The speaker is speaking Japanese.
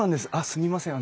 すみません